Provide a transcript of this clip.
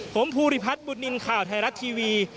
ผมภูริพัฒน์บุญนินทร์ข่าวไทยรัฐทีวี